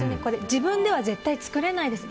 自分では絶対に作れないです。